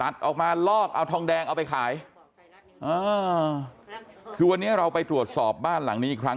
สมัยก่อนมันติดยาใช่ไหมล่ะ